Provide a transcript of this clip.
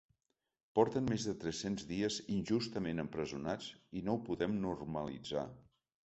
Porten més de tres-cents dies injustament empresonats i no ho podem normalitzar!